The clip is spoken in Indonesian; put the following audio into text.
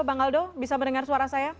bang aldo bisa mendengar suara saya